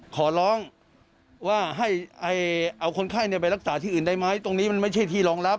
ขอร้องว่าให้เอาคนไข้ไปรักษาที่อื่นได้ไหมตรงนี้มันไม่ใช่ที่รองรับ